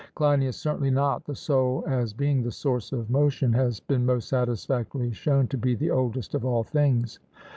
CLEINIAS: Certainly not; the soul as being the source of motion, has been most satisfactorily shown to be the oldest of all things.